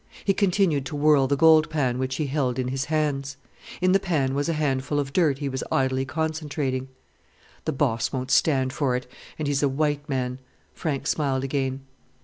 He continued to whirl the gold pan which he held in his hands. In the pan was a handful of dirt he was idly concentrating. "The boss won't stand for it and he's a white man." Frank smiled again.